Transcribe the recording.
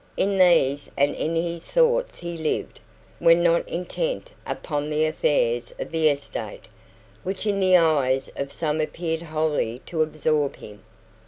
In these and in his thoughts he lived, when not intent upon the affairs of the estate, which in the eyes of some appeared wholly to absorb him.